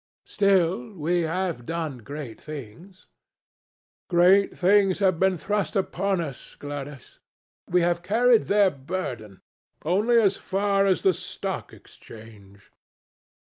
"Still, we have done great things." "Great things have been thrust on us, Gladys." "We have carried their burden." "Only as far as the Stock Exchange."